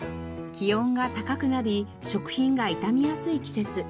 気温が高くなり食品が傷みやすい季節。